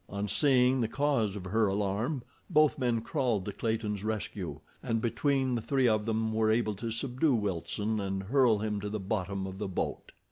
On seeing the cause of her alarm, both men crawled to Clayton's rescue, and between the three of them were able to subdue Wilson and hurl him to the bottom of the boat.